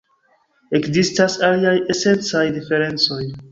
Ekzistas aliaj esencaj diferencoj.